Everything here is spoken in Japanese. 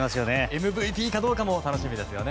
ＭＶＰかどうかも楽しみですね。